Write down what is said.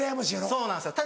そうなんですよ